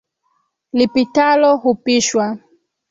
Lipitalo, hupishwa